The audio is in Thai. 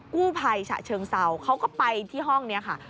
กู้ภัยฉะเชิงเซาเขาก็ไปที่ห้องนี้ค่ะ